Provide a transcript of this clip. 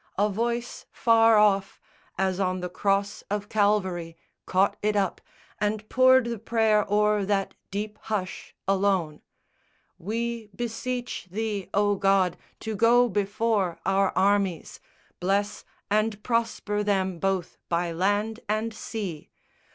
A voice, far off, As on the cross of Calvary, caught it up And poured the prayer o'er that deep hush, alone: _We beseech Thee, O God, to go before our armies, Bless and prosper them both by land and sea!